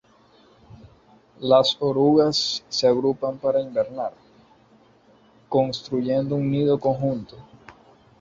Las orugas se agrupan para hibernar, construyendo un nido conjunto.